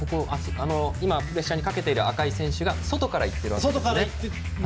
プレッシャーをかける赤い選手が外からいっているんですね。